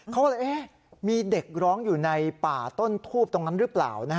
เขาก็เลยมีเด็กร้องอยู่ในป่าต้นทูบตรงนั้นหรือเปล่า